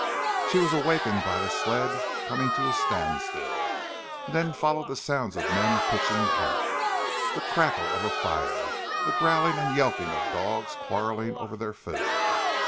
She was awakened by the sled coming to a standstill; and then followed the sounds of men pitching camp; the crackle of a fire, the growling and yelping of dogs quarrelling over their food.